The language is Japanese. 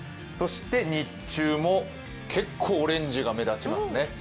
そして日中も結構オレンジが目立ちますね。